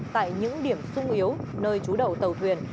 tại những điểm sung yếu nơi trú đậu tàu thuyền